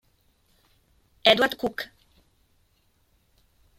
Edward Cook